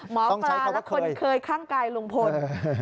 หมอปลาและคนเคยข้างกายลุงพล